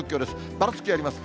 ばらつきあります。